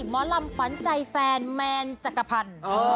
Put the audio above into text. หมอลำฝันใจแฟนแมนจักรพรรณ